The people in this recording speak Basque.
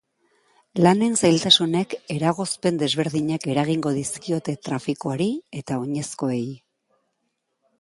Lanen zailtasunek eragozpen desberdinak eragingo dizkiote trafikoari eta oinezkoei.